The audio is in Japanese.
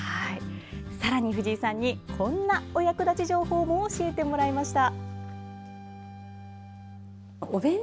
さらに藤井さんにこんなお役立ち情報も教えてもらいました。